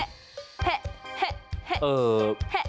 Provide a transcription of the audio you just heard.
เอาออย่างเหะ